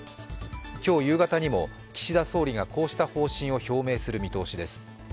今日夕方にも岸田総理がこうした方針を表明する見通しです。